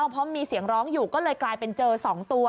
เพราะมีเสียงร้องอยู่ก็เลยกลายเป็นเจอ๒ตัว